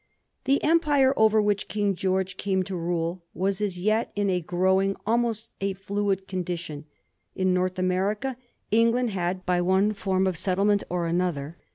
The empire over which King George came to rule was as yet in a growing, almost a fluid condition. In North America England had, by one form of settle ment or another.